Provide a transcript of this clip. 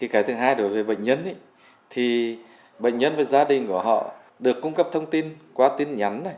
cái thứ hai đối với bệnh nhân thì bệnh nhân và gia đình của họ được cung cấp thông tin qua tin nhắn